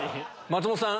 松本さん